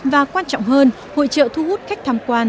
và quan trọng hơn hội trợ thu hút khách tham quan